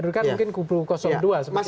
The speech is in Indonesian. dari kan mungkin kupu dua